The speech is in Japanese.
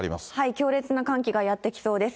強烈な寒気がやって来そうです。